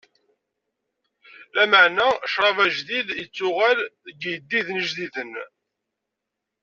Lameɛna ccṛab ajdid ittuɣal deg iyeddiden ijdiden.